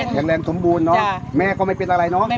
แข็งแรงสมบูรณเนาะแม่ก็ไม่เป็นอะไรเนาะ